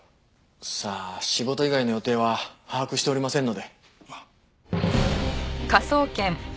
さあ仕事以外の予定は把握しておりませんので。